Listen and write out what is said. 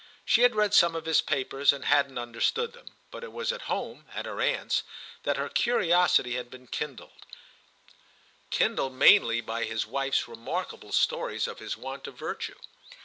She had read some of his papers and hadn't understood them; but it was at home, at her aunt's, that her curiosity had been kindled—kindled mainly by his wife's remarkable stories of his want of virtue.